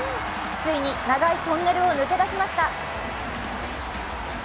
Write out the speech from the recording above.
ついに長いトンネルを抜け出しました。